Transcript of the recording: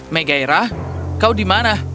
mega hera kau di mana